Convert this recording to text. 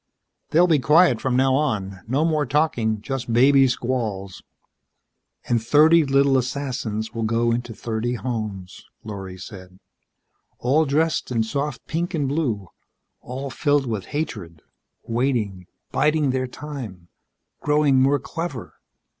"They'll be quiet from now on. No more talking just baby squalls." "And thirty little assassins will go into thirty homes," Lorry said. "All dressed in soft pink and blue, all filled with hatred. Waiting, biding their time, growing more clever."